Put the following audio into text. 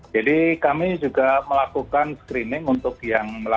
jadi kami juga melakukan screening untuk yang